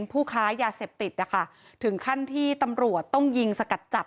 ผู้ค้ายาเสพติดนะคะถึงขั้นที่ตำรวจต้องยิงสกัดจับ